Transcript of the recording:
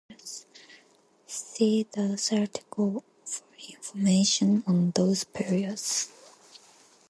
See those article for information on those periods.